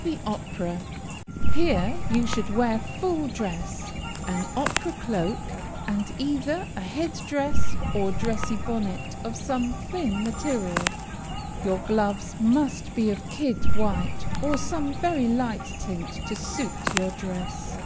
THE OPERA Here you should wear full dress, an opera cloak, and either a head dress, or dressy bonnet of some thin material. Your gloves must be of kid, white, or some very light tint to suit your dress.